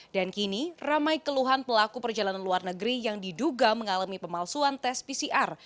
dan kini ramai keluhan pelaku perjalanan luar negeri yang diduga mengalami pemalsuan tes pcr